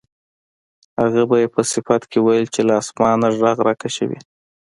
هغه به یې په صفت کې ویل چې له اسمانه غږ راکشوي.